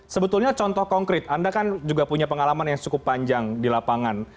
sebetulnya contoh konkret anda kan juga punya pengalaman yang cukup panjang di lapangan